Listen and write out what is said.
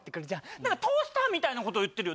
だからトースターみたいなことを言ってるよ。